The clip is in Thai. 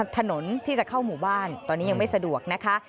ถนนที่จะเข้าหมู่บ้านตอนนี้ยังไม่สะดวกนะคะ